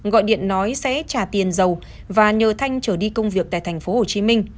gọi điện nói sẽ trả tiền dầu và nhờ thanh trở đi công việc tại thành phố hồ chí minh